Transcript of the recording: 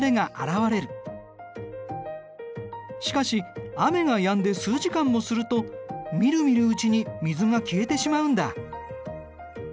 しかし雨がやんで数時間もするとみるみるうちに水が消えてしまうんだ。